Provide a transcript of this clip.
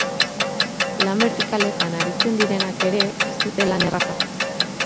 Lan bertikaletan aritzen direnak ere ez dute lan erraza.